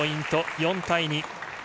４対２。